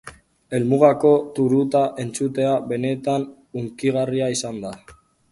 Helmugako turuta entzutea benetan hunkigarria izan da.